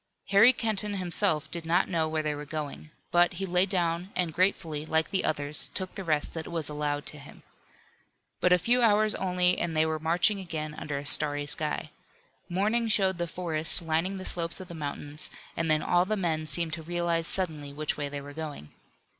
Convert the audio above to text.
Harry Kenton himself did not know where they were going. But he lay down and gratefully, like the others, took the rest that was allowed to him. But a few hours only and they were marching again under a starry sky. Morning showed the forest lining the slopes of the mountains and then all the men seemed to realize suddenly which way they were going.